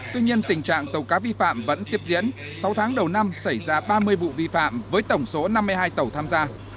tuy nhiên tình trạng tàu cá vi phạm vẫn tiếp diễn sáu tháng đầu năm xảy ra ba mươi vụ vi phạm với tổng số năm mươi hai tàu tham gia